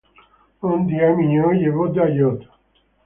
Он для меня его дает.